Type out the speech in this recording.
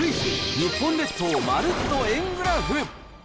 日本列島まるっと円グラフ。